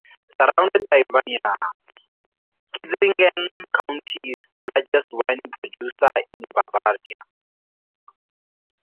Surrounded by vineyards, Kitzingen County is the largest wine producer in Bavaria.